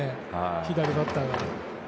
左バッターで。